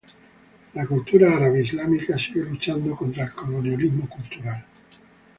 La cultura árabe islámica sigue luchando contra el colonialismo cultural.